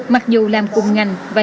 mặc dù làm cùng ngành và nhu yếu phẩm